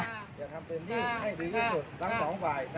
จะทำเต็มที่ให้ดีที่สุดทั้งสองฝ่าย